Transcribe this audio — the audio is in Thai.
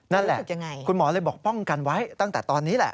นั่นแหละคุณหมอเลยบอกป้องกันไว้ตั้งแต่ตอนนี้แหละ